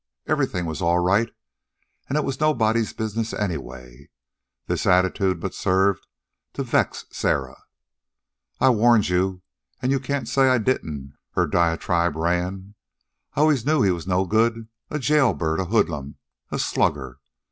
Everything was all right, and it was nobody's business anyway. This attitude but served to vex Sarah. "I warned you, and you can't say I didn't," her diatribe ran. "I always knew he was no good, a jailbird, a hoodlum, a slugger.